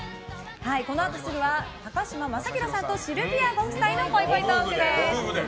このあとすぐは高嶋政宏さんとシルビアご夫妻のぽいぽいトーク！です。